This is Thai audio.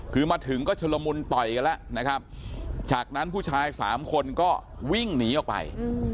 คือมาถึงก็ชุลมุนต่อยกันแล้วนะครับจากนั้นผู้ชายสามคนก็วิ่งหนีออกไป